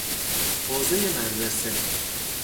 حوزهی مدرسه